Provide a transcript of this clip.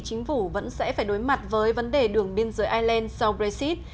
chính phủ vẫn sẽ phải đối mặt với vấn đề đường biên giới ireland sau brexit